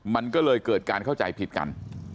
มันก็เลยเกิดการเข้าใจผิดกัน